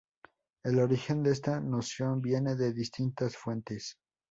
El origen de esta noción viene de distintas fuentes.